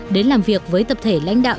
đến làm việc với tập thể lãnh đạo